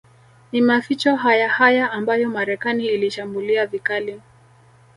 Ni maficho hayahaya ambayo Marekani Ilishambulia vikali